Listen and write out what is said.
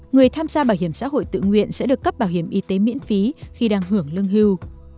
người tham gia bảo hiểm xã hội tự nguyện sẽ được cấp bảo hiểm y tế miễn phí khi đang hưởng lương hưu